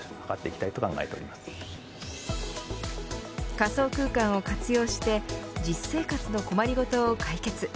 仮想空間を活用して実生活の困りごとを解決。